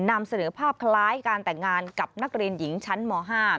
นำเสนอภาพคล้ายการแต่งงานกับนักเรียนหญิงชั้นม๕